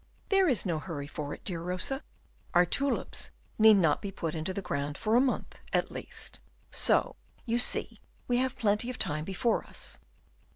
"There is no hurry for it, dear Rosa; our tulips need not be put into the ground for a month at least. So you see we have plenty of time before us.